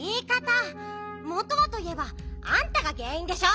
もとはといえばあんたがげんいんでしょ！